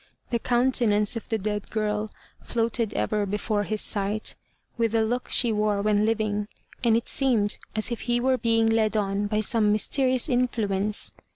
The countenance of the dead girl floated ever before his sight, with the look she wore when living, and it seemed as if he were being led on by some mysterious influence.